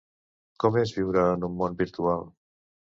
Com és viure en un món virtual?